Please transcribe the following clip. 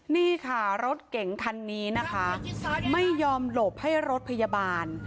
นี่ค่ะรถเก๋งคันนี้นะคะไม่ยอมหลบให้รถพยาบาล